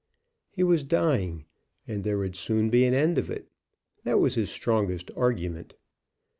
He was dying, and there would soon be an end of it. That was his strongest argument.